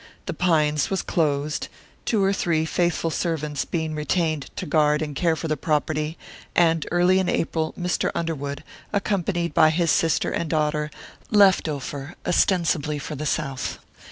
The Pines was closed, two or three faithful servants being retained to guard and care for the property, and early in April Mr. Underwood, accompanied by his sister and daughter, left Ophir ostensibly for the South.